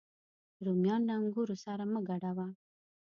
رومیان له انګورو سره مه ګډوه